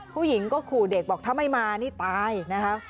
ผู้หญิงก็ขู่เด็กบอกถ้าไม่มานี่ตายนะคะ